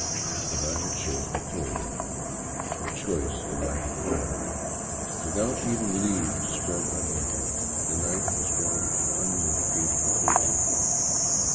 But I had chosen poorly, if choice it might be called. Without even leaves to spread under me, the night was one of unmitigated torture.